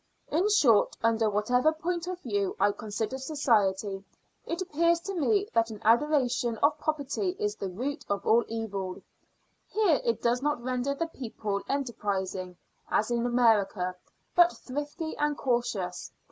In short, under whatever point of view I consider society, it appears to me that an adoration of property is the root of all evil. Here it does not render the people enterprising, as in America, but thrifty and cautious.